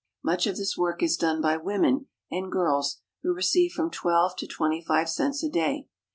Much of this work is done by women and girls, who receive from twelve to twenty five cents a day.